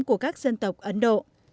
của các dân tộc ấn độ